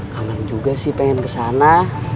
kamu juga sih ingin ke sana